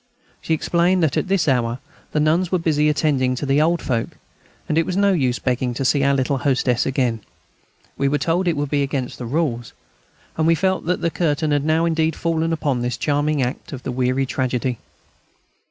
She explained that at this hour the nuns were busy attending to their old folk. It was of no use begging to see our little hostess again. We were told it would be against the rules, and we felt that the curtain had now indeed fallen upon this charming act of the weary tragedy.